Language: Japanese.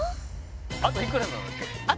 あといくらなんだっけ？